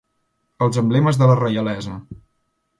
Els emblemes de la reialesa.